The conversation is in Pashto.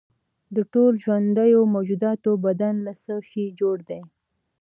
د ټولو ژوندیو موجوداتو بدن له څه شي جوړ دی